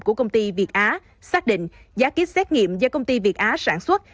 của công ty việt á xác định giá kýt xét nghiệm do công ty việt á sản xuất